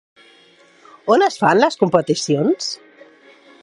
On es fan les competicions?